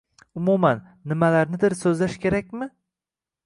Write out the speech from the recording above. Umuman, nimalarnidir so’zlash kerakmi?